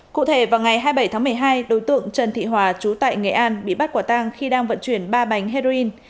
cụ thể vào ngày hai mươi bảy tháng một mươi hai đối tượng trần thị hòa trú tại nghệ an bị bắt quả tang khi đang vận chuyển ba bánh heroin